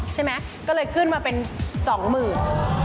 ใช่ไหมก็เลยขึ้นมาเป็นสองหมื่น